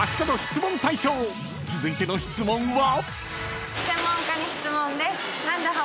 ［続いての質問は］